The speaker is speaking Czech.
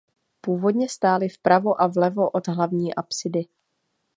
Původně stály vpravo a vlevo od hlavní apsidy.